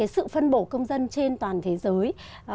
sự phân bổ công dân trên toàn thế giới